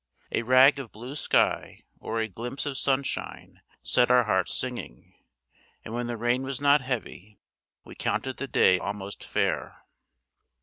A rag of blue sky or a glimpse of sunshine set our hearts singing; and when the rain was not heavy, we counted the day almost fair.